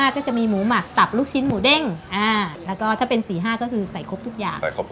ก็จะมีหมูหมักตับลูกชิ้นหมูเด้งแล้วก็ถ้าเป็น๔๕ก็คือใส่ครบทุกอย่าง